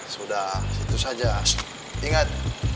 sudah itu saja ingat